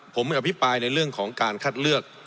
ผมอภิปรายในเรื่องของการคัดเลือก